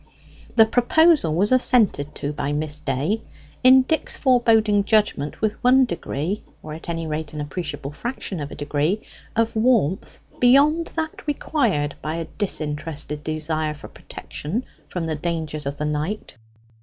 The proposal was assented to by Miss Day, in Dick's foreboding judgment, with one degree or at any rate, an appreciable fraction of a degree of warmth beyond that required by a disinterested desire for protection from the dangers of the night.